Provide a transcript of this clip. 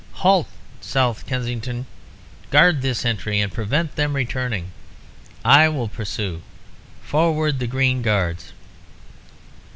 'Halt, South Kensington! Guard this entry, and prevent them returning. I will pursue. Forward, the Green Guards!'